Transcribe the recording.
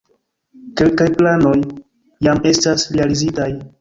Kelkaj planoj jam estas realizitaj.